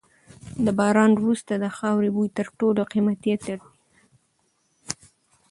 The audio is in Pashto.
د باران وروسته د خاورې بوی تر ټولو قیمتي عطر دی.